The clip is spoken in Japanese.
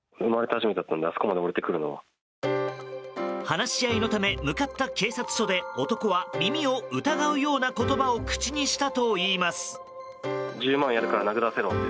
話し合いのため向かった警察署で男は耳を疑うような言葉を口にしたといいます。